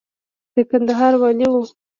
د کندهار والي و.